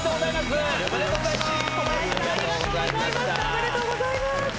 小林さんおめでとうございます。